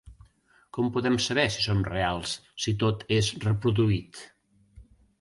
Com podem saber si som reals si tot és reproduït?